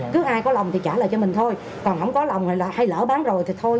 cứ ai có lòng thì trả lại cho mình thôi còn không có lòng là hay lỡ bán rồi thì thôi